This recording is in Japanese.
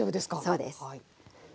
そうです。